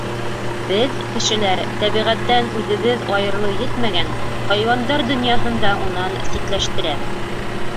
Беҙ, кешеләр, тәбиғәттән үҙебеҙ айырылыу етмәгән, хайуандар донъяһын да унан ситләштерәбеҙ.